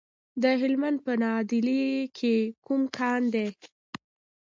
د هلمند په نادعلي کې کوم کان دی؟